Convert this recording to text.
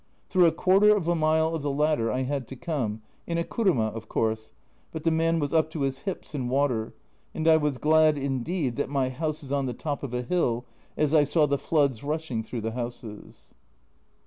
Through a quarter of a mile of the latter I had to come, in a kuruma of course, but the man was up to his hips in water, and I was glad indeed that my house is on the top of a hill as I saw the floods rushing through the houses.